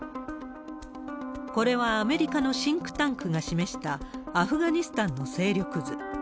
これはアメリカのシンクタンクが示した、アフガニスタンの勢力図。